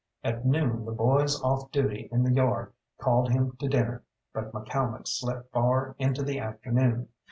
At noon the boys off duty in the yard called him to dinner, but McCalmont slept far into the afternoon.